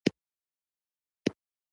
پر هر چا سمې د خیال جامې شي